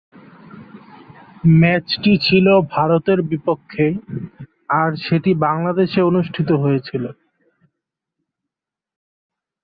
ম্যাচটি ছিল ভারতের বিপক্ষে, আর সেটি বাংলাদেশে অনুষ্ঠিত হয়েছিল।